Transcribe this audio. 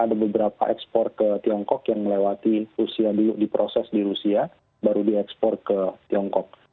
ada beberapa ekspor ke tiongkok yang melewati rusia dulu diproses di rusia baru diekspor ke tiongkok